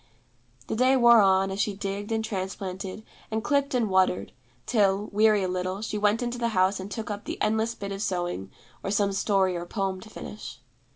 The day wore on, as she digged and transplanted and clipped and watered, till, weary a little, she went into the house and took up the endless bit of sewing, or some story or poem to finish.